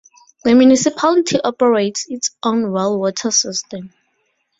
The municipality operates its own well water system.